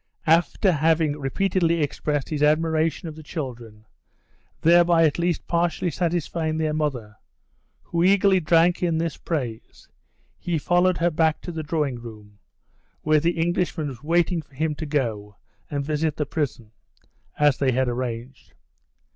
After having repeatedly expressed his admiration of the children, thereby at least partially satisfying their mother, who eagerly drank in this praise, he followed her back to the drawing room, where the Englishman was waiting for him to go and visit the prison, as they had arranged.